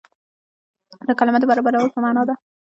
دا کلمه د برابرولو په معنا ده.